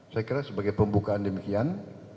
saya kira sebagai pembukaan demikian